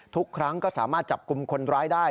ทุกครั้งก็สามารถจับกลุ่มคนร้ายได้